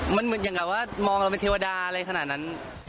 มันเหมือนอย่างกับว่ามองเราเป็นเทวดาอะไรขนาดนั้น